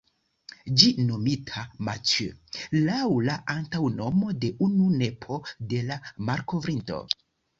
Ĝi nomita ""Mathieu"", laŭ la antaŭnomo de unu nepo de la malkovrinto.